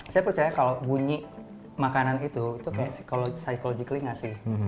saya percaya kalau bunyi makanan itu itu kayak psikologically nggak sih